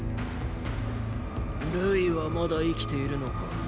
瑠衣はまだ生きているのか。